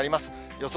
予想